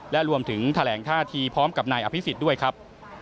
และรวมถึงแถลงท่าทีพร้อมกับนายอภิษฎด้วยครับ